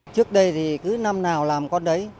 trước đây thì cứ năm nào làm con đấy